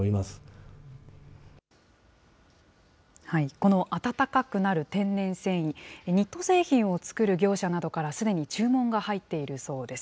このあたたかくなる天然繊維、ニット製品を作る業者などからすでに注文が入っているそうです。